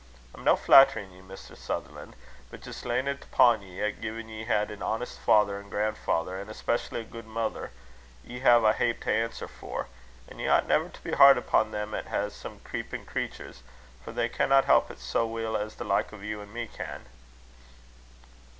I'm no flatterin' ye, Mr. Sutherlan'; but jist layin' it upo' ye, 'at gin ye had an honest father and gran'father, an' especially a guid mither, ye hae a heap to answer for; an' ye ought never to be hard upo' them 'at's sma' creepin' creatures, for they canna help it sae weel as the like o' you and me can."